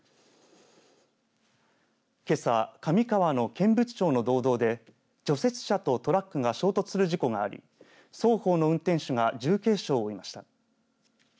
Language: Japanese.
けさ、上川の剣淵町の道道で除雪車とトラックが衝突する事故があり双方の運転手が重軽傷を負いました。